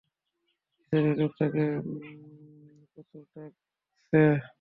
পিছনের লোকটা প্রচুর নাক ডাকছে।